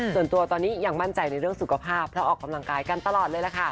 ส่วนตัวตอนนี้ยังมั่นใจในเรื่องสุขภาพเพราะออกกำลังกายกันตลอดเลยล่ะค่ะ